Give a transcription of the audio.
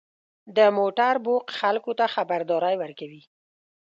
• د موټر بوق خلکو ته خبرداری ورکوي.